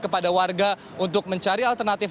kepada warga untuk mencari alternatif